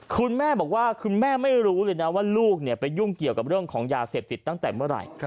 คุณแม่บอกว่าคุณแม่ไม่รู้เลยนะว่าลูกไปยุ่งเกี่ยวกับเรื่องของยาเสพติดตั้งแต่เมื่อไหร่